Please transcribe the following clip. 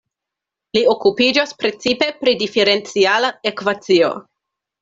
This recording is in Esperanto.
Li okupiĝas precipe pri diferenciala ekvacio.